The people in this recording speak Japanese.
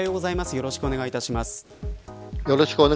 よろしくお願いします。